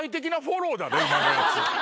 今のやつ。